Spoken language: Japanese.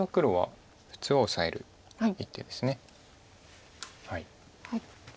はい。